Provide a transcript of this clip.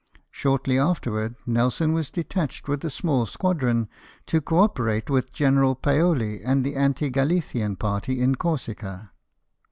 Shortly afterwards Nelson was detached with a small squadron to co operate with General Paoli and the Anti Galli can party in Corsica.